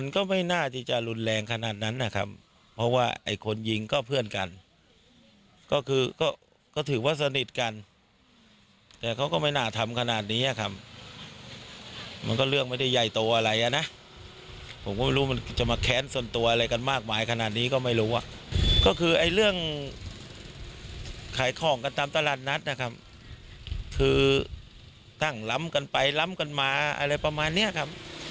ขายข้องกันตามตลาดนัดนะครับคือตั้งล้ำกันไปล้ำกันมาอะไรประมาณเนี่ยครับ